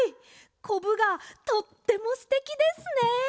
こぶがとってもすてきですね！